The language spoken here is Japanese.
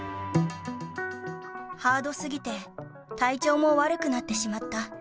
ハード過ぎて体調も悪くなってしまった。